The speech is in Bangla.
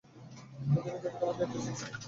ওদিকে, যেদিকে আমি নির্দেশ করছি।